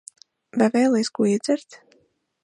Vai vēlies ko iedzert?